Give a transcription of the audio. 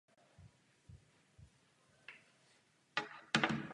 Všechny tři způsoby argumentace jsou relevantní a vedou ke stejné pravdě.